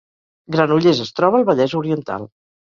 Granollers es troba al Vallès Oriental